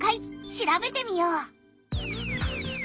調べてみよう。